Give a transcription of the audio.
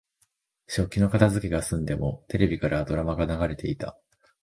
食器の片づけが済んでも、テレビからはドラマが流れていた。